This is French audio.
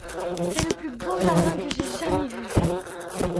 C’est le plus beau jardin que j’aie jamais vu.